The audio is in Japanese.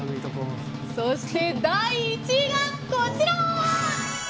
そして、第１位がこちら。